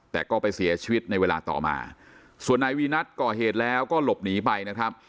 แต่ก็ไปเสียชีวิตในเวลาต่อมาส่วนนายวีนัทก่อเหตุแล้วก็หลบหนีไปนะครับ